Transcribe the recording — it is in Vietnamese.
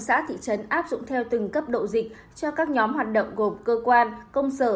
xã thị trấn áp dụng theo từng cấp độ dịch cho các nhóm hoạt động gồm cơ quan công sở